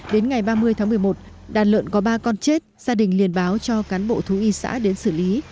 đến ngày ba mươi tháng một mươi một đàn lợn có ba con chết gia đình liên báo cho cán bộ thú y xã đến xử lý